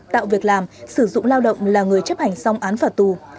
tạo việc làm sử dụng lao động là người chấp hành xong án phạt tù